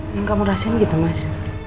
yang kamu rasain gitu mas